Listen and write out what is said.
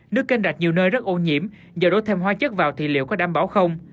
nước kênh rạch nhiều nơi rất ô nhiễm do đối thêm hóa chất vào thì liệu có đảm bảo không